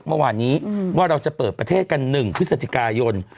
เมื่อวานนี้ว่าเราจะเปิดประเทศกัน๑พฤศจิกายน